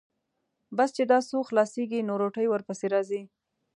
بس چې دا څو خلاصېږي، نو روټۍ ورپسې راځي.